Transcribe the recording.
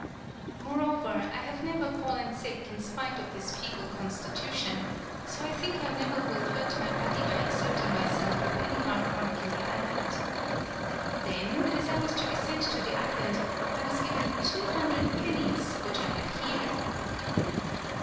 More over, I never have fallen sick in spite of this feeble constitution, so I think I never will hurt my body by exerting myself with any hard work in the island. Then, as I was to be sent to the island, I was given two hundred pennies which I have here."